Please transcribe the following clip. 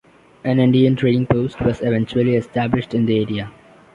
An Indian trading post was eventually established in the area.